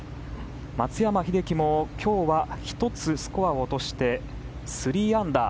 松山英樹も今日は１つスコアを落として３アンダー。